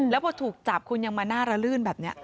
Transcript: แล้วพอถูกจับคุณยังมาหน้าระลื่นแบบนี้